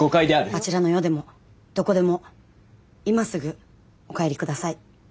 あちらの世でもどこでも今すぐお帰り下さい。